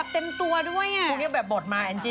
เต็มตัวเป็นบด